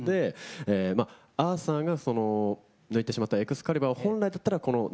アーサーが抜いてしまったエクスカリバー本来だったらこのね